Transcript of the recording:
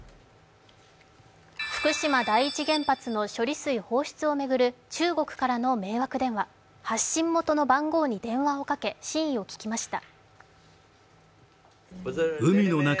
福島第一原発の処理水放出を巡る中国からの迷惑電話発信元の番号に電話をかけ真意を聞きました。